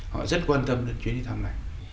họ rất quan tâm đến chuyến đi thăm này